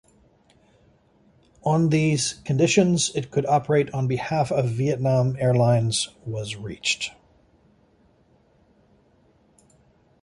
On these conditions, it could operate on behalf of Vietnam Airlines was reached.